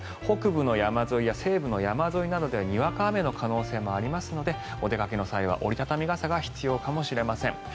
北部の山沿いや西部の山沿いなどではにわか雨の可能性もありますのでお出かけの際は折り畳み傘が必要かもしれません。